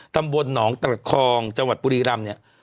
ตำบลหนองตระคองจังหวัดบุรีรำเนี่ย